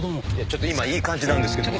ちょっと今いい感じなんですけど。